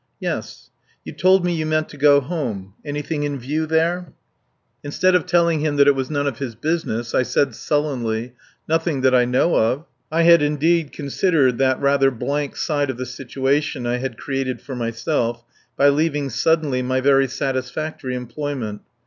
"Yes. You told me you meant to go home. Anything in view there?" Instead of telling him that it was none of his business I said sullenly: "Nothing that I know of." I had indeed considered that rather blank side of the situation I had created for myself by leaving suddenly my very satisfactory employment.